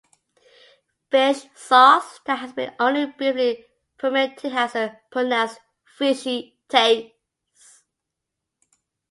Fish sauce that has been only briefly fermented has a pronounced fishy taste.